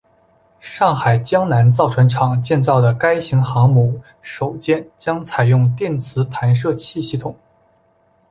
上海江南造船厂建造的该型航母首舰将采用电磁弹射器系统。